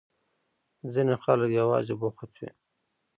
ځينې خلک يوازې بوخت وي.